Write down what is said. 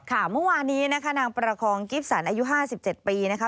เมื่อวานนี้นะคะนางประคองกิฟสันอายุ๕๗ปีนะคะ